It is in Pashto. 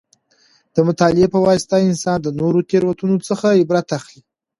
د مطالعې په واسطه انسان د نورو د تېروتنو څخه عبرت اخلي.